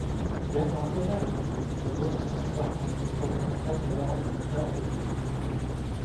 Během následné rekonstrukce bylo rozhodnuto zahrnout kostel do systému nového městského opevnění.